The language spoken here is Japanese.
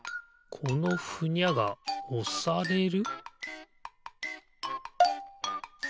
このふにゃがおされる？